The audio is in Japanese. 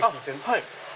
はい。